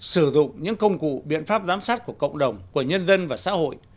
sử dụng những công cụ biện pháp giám sát của cộng đồng của nhân dân và xã hội